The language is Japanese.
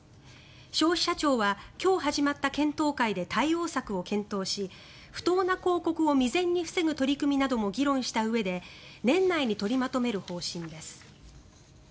消費者庁は今日始まった検討会で対応策を検討し、不当な広告を未然に防ぐ取り組みなども議論したうえで年内に取りまとめる方針です。